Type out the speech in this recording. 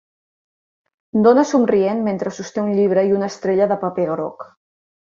Dona somrient mentre sosté un llibre i una estrella de paper groc.